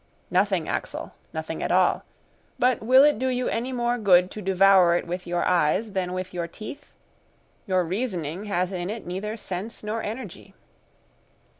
"Nothing, Axel, nothing at all. But will it do you any more good to devour it with your eyes than with your teeth? Your reasoning has in it neither sense nor energy."